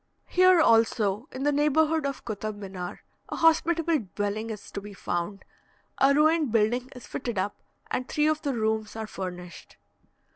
Here also, in the neighbourhood of Kotab Minar, a hospitable dwelling is to be found. A ruined building is fitted up, and three of the rooms are furnished.